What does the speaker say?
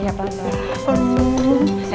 iya ya pelan pelan